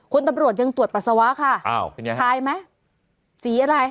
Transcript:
คุณตำรวจยังตรวจปรัสสาวะค่ะถ่ายไหมสีอะไร